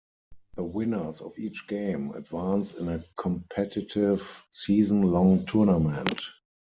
The winners of each game advance in a competitive, season-long tournament.